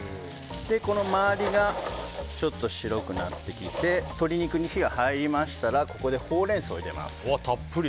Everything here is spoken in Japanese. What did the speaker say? この周りがちょっと白くなってきて鶏肉に火が入りましたらここでホウレンソウを入れます。